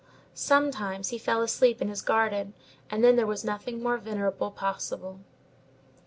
Sometimes he fell asleep in his garden, and then there was nothing more venerable possible.